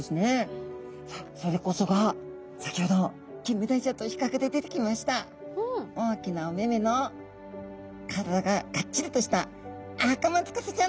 それこそが先ほどキンメダイちゃんと比較で出てきました大きなお目々の体がガッチリとしたアカマツカサちゃんの仲間たちです。